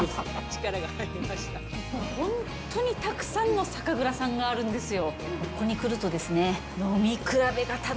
もうほんとにたくさんの酒蔵さんがあるんですよ。